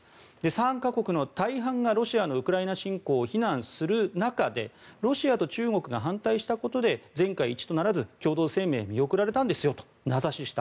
参加国の大半がロシアのウクライナ侵攻を非難する中でロシアと中国が反対したことで全会一致とならず共同声明は見送られたんですよと名指しした。